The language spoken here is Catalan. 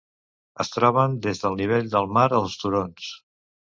Es troben des del nivell del mar als turons.